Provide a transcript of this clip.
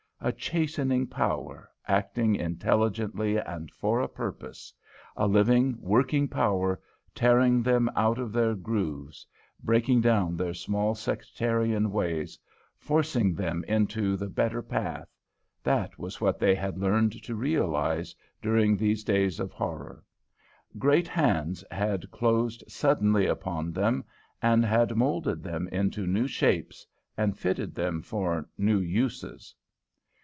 A chastening power, acting intelligently and for a purpose, a living, working power, tearing them out of their grooves, breaking down their small sectarian ways, forcing them into the better path, that was what they had learned to realise during these days of horror. Great hands had closed suddenly upon them and had moulded them into new shapes, and fitted them for new uses.